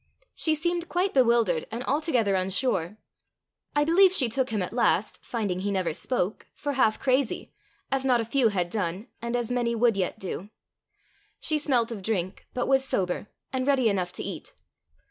She seemed quite bewildered and altogether unsure. I believe she took him at last, finding he never spoke, for half crazy, as not a few had done, and as many would yet do. She smelt of drink, but was sober, and ready enough to eat.